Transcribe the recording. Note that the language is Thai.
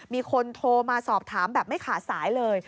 มีคนโทรมาสอบถามแบบไม่ขาดสายเลย